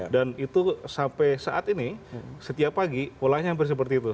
dan itu sampai saat ini setiap pagi polanya hampir seperti itu